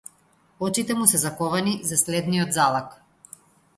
Очите му се заковани за следниот залак.